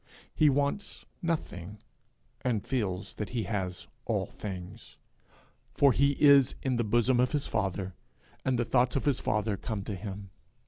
He wants nothing, and feels that he has all things, for he is in the bosom of his father, and the thoughts of his father come to him.